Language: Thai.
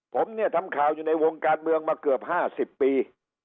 ผมเนี่ยทำข่าวอยู่ในวงการเมืองมาเกือบ๕๐ปี